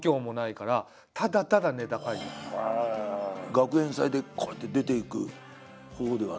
学園祭でこうやって出ていくほうではなく？